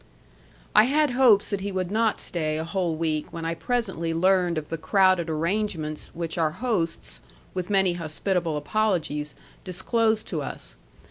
I had hopes that he would not stay a whole week when I presently learned of the crowded arrangements which our hosts, with many hospitable apologies, disclosed to us.